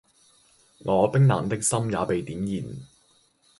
我冰冷的心也被點燃